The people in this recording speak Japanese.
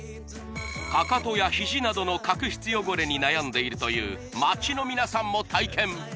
かかとやひじなどの角質汚れに悩んでいるという街の皆さんも体験